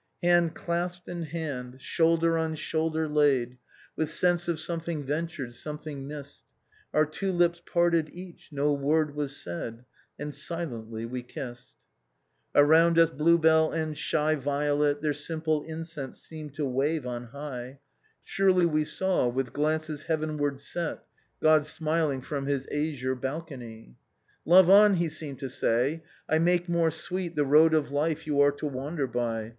" Hand clasped in hand, shoulder on shoulder laid, With sense of something ventured, something misBed, Our two lips parted, each ; no word was said, And silently we kissed. " Around us hlue bell and shy violet Their simple incense seemed to wave on high; Surely we saw, with glances heavenward set, God smiling from his azure balcony. "' Love on !' he seemed to say, ' I make more sweet The road of life you are to wander by.